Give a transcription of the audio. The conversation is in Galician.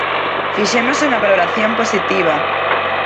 Fixemos unha valoración positiva.